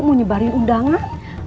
mau nyebarin undangan